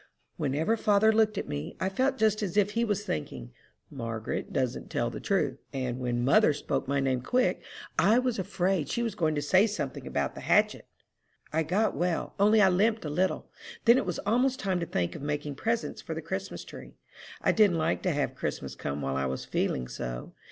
"Whenever father looked at me, I felt just as if he was thinking, 'Margaret doesn't tell the truth;' and when mother spoke my name quick, I was afraid she was going to say something about the hatchet." "I got well, only I limped a little. Then it was almost time to think of making presents for the Christmas tree. I didn't like to have Christmas come while I was feeling so.